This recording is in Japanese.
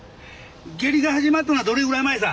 下痢が始まったのはどれぐらい前さ？